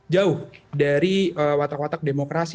jauh dari watak watak demokrasi